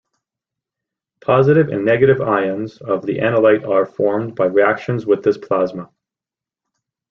Positive and negative ions of the analyte are formed by reactions with this plasma.